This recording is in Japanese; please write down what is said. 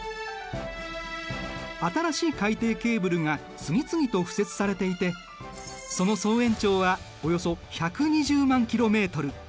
新しい海底ケーブルが次々と敷設されていてその総延長はおよそ１２０万キロメートル。